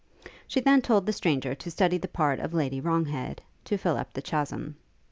She then told the stranger to study the part of Lady Wronghead, to fill up the chasm.